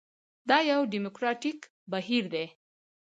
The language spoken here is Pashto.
دا یو ډیموکراټیک بهیر دی.